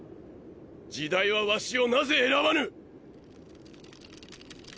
時代はワシをなぜ選ばぬ！？